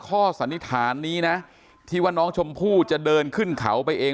สันนิษฐานนี้นะที่ว่าน้องชมพู่จะเดินขึ้นเขาไปเอง